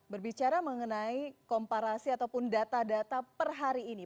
berbicara mengenai komparasi ataupun data data per hari ini